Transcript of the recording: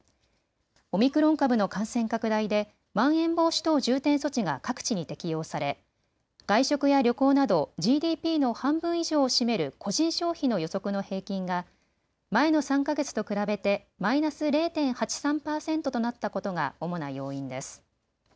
オミクロン株の感染拡大でまん延防止等重点措置が各地に適用され、外食や旅行などＧＤＰの半分以上を占める個人消費の予測の平均が前の３か月と比べてマイナス０．８３％となったことが主な要因です。